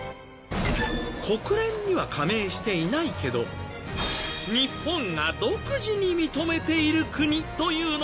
国連には加盟していないけど日本が独自に認めている国というのもあるんですよ。